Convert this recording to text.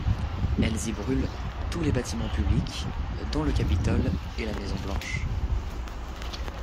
Elles y brûlent tous les bâtiments publics, dont le Capitole et la Maison-Blanche.